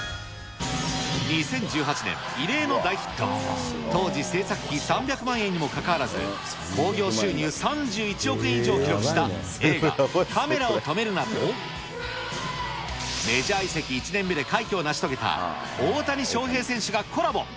２０１８年、異例の大ヒット、当時、製作費３００万円にもかかわらず、興行収入３１億円以上を記録した映画、カメラを止めるな！と、メジャー移籍１年目で快挙を成し遂げた大谷翔平選手がコラボ。